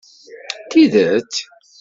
S tidet!